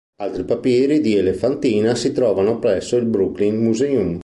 Altri papiri di Elefantina si trovano presso il Brooklyn Museum.